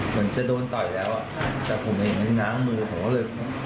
เหมือนจะโดนต่อยแล้วอ่ะจากผมเองเหมือนน้ำมือของเขาเลย